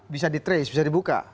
bisa di trace bisa dibuka